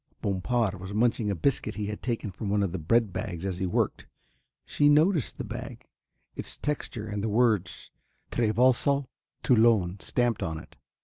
Bompard was munching a biscuit he had taken from one of the bread bags as he worked. She noticed the bag, its texture, and the words "Traversal Toulon" stamped on it.